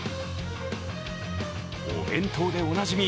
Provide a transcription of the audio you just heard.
お弁当でおなじみ